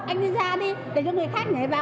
anh đi ra đi để cho người khác nhảy vào